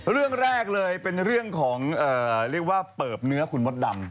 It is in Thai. เรื่องแรกเลยเป็นเรื่องของเปิบเนื้อคุณมศดำ